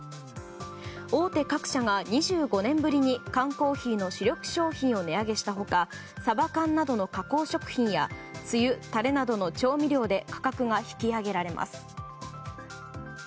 大手各社が２５年ぶりに缶コーヒーの主力商品を値上げした他サバ缶などの加工食品やつゆ・たれなどの調味料で価格が引き上げられます。